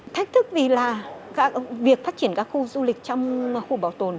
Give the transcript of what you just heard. thách thức vì là việc phát triển các khu du lịch trong khu bảo tồn